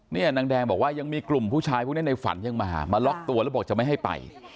นางแดงบอกว่ายังมีกลุ่มผู้ชายพวกนี้ในฝันยังมามาล็อกตัวแล้วบอกจะไม่ให้ไป